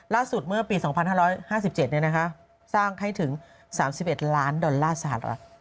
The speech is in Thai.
ล่าสุดเมื่อปี๒๕๕๗เนี่ยนะคะสร้างให้ถึง๓๑ล้านดอลลาร์สหรัฐ